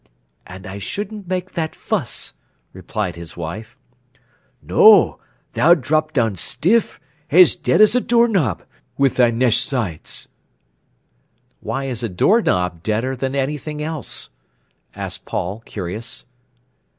"And I shouldn't make that fuss," replied his wife. "No, tha'd drop down stiff, as dead as a door knob, wi' thy nesh sides." "Why is a door knob deader than anything else?" asked Paul, curious.